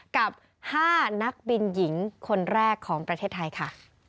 กับ๕นักบินหญิงคนแรกของประเทศไทยค่ะ